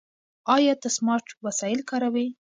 ایا ته سمارټ وسایل کاروې؟